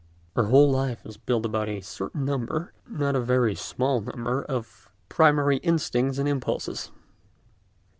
Our whole life is built about a certain number—not a very small number—of primary instincts and impulses.